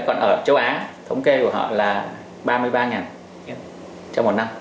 còn ở châu á thống kê của họ là ba mươi ba trong một năm